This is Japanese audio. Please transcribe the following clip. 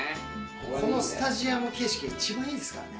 このスタジアム形式、一番いいんですからね。